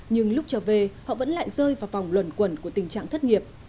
nhưng lúc trở về họ vẫn lại rơi vào vòng luẩn quẩn của tình trạng thất nghiệp